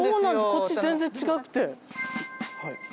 こっち全然違くて。